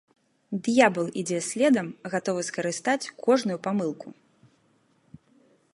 Д'ябал ідзе следам, гатовы скарыстаць кожную памылку.